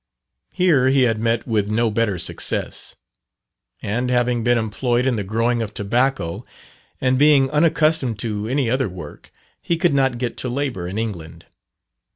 Here he had met with no better success; and having been employed in the growing of tobacco, and being unaccustomed to any other work, he could not get to labour in England.